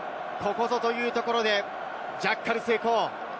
ここぞというところでジャッカル成功。